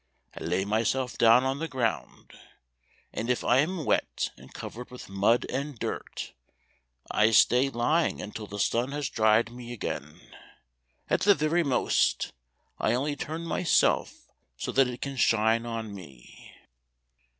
I lay myself down on the ground, and if I am wet and covered with mud and dirt, I stay lying until the sun has dried me again. At the very most, I only turn myself so that it can shine on me."